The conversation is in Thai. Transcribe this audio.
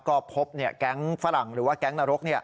ก็พบแก๊งฝรั่งหรือว่าแก๊งนรก